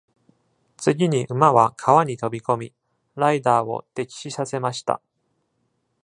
次に馬は川に飛び込み、ライダーを溺死させました。